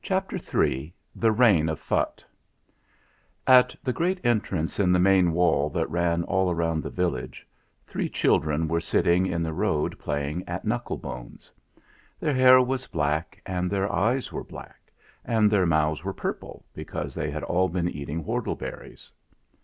CHAPTER III THE REIGN OF PHUTT At the great entrance in the main wall that ran all round the village three children were sitting in the road playing at knuckle bones. Their hair was black and their eyes were black, and their mouths were purple because they had all been eating whortleberries.